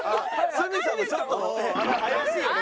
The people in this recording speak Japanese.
鷲見さんもちょっと怪しいよね。